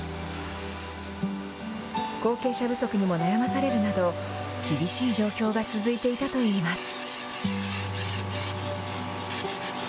後継者不足にも悩まされるなど、厳しい状況が続いていたといいます。